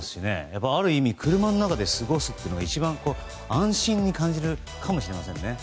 やっぱり、ある意味車の中で過ごすというのが一番、安心に感じるかもしれませんね。